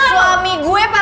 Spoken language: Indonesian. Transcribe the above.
siapa pasti akan menunggu saya